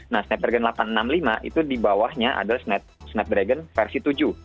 nah snapdragon delapan ratus enam puluh lima itu dibawahnya adalah snapdragon versi tujuh